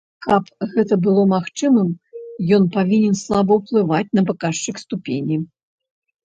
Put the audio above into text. Каб гэта было магчымым, ён павінен слаба ўплываць на паказчык ступені.